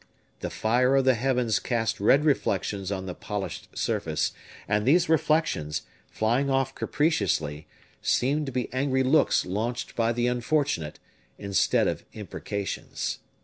The fire of the heavens cast red reflections on the polished surface, and these reflections, flying off capriciously, seemed to be angry looks launched by the unfortunate, instead of imprecations.